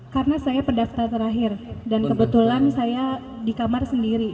karena saya pendaftar terakhir dan kebetulan saya di kamar sendiri